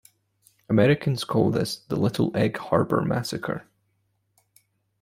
Americans call this the Little Egg Harbor massacre.